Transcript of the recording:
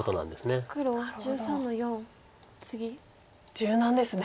柔軟ですね。